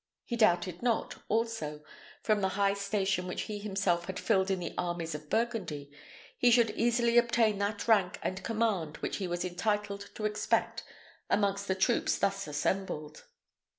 He doubted not, also, from the high station which he himself had filled in the armies of Burgundy, he should easily obtain that rank and command which he was entitled to expect amongst the troops thus assembled.